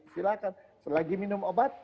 silahkan selagi minum obat